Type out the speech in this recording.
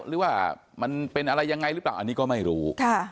หรือว่ามันเป็นอะไรยังไงหรือเปล่าอันนี้ก็ไม่รู้